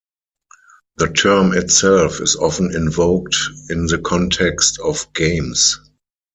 The term itself is often invoked in the context of games.